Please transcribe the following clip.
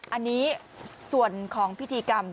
อันนี้ส่วนของพิธีกรรม